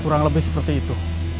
kurang lebih seperti itu